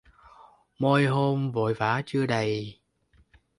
Môi hôn vội vã chưa đầy